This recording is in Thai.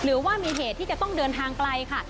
หรือว่ามีเหตุที่จะต้องเดินทางไกลค่ะ